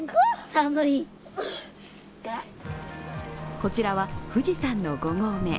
こちらは富士山の５合目。